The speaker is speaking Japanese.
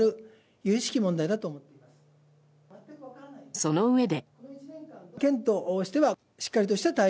そのうえで。